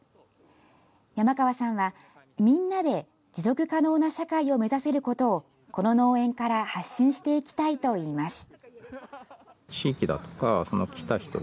山川さんは、みんなで持続可能な社会を目指せることをこの農園から発信していきたいといいます。